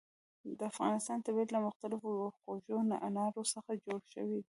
د افغانستان طبیعت له مختلفو او خوږو انارو څخه جوړ شوی دی.